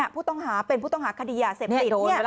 ผู้ต้องหาเป็นผู้ต้องหาคดียาเสพติด